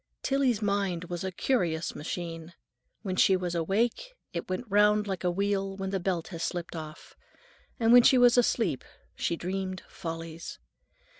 Tillie's mind was a curious machine; when she was awake it went round like a wheel when the belt has slipped off, and when she was asleep she dreamed follies.